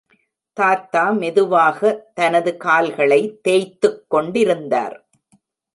தாத்தா மெதுவாக தனது கால்களை தேய்த்துக் கொண்டிருந்தார்.